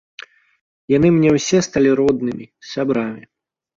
Яны мне ўсе сталі роднымі, сябрамі.